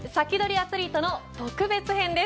アツリートの特別編です。